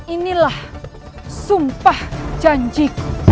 inilah sumpah janjiku